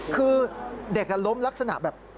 คือเด็กล้มลักษณะแบบ